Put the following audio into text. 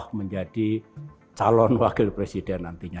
ahy akan menjadi calon wakil presiden nantinya